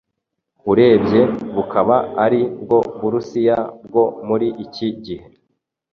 urebye bukaba ari bwo Burusiya bwo muri iki gihe